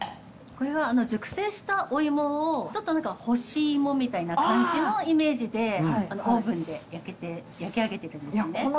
これは熟成したお芋をちょっと干し芋みたいな感じのイメージでオーブンで焼き上げてるんですね。